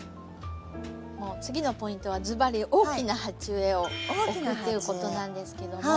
次のポイントはずばり大きな鉢植えを置くっていうことなんですけども。